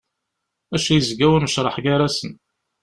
Maca yezga unecreḥ gar-asen.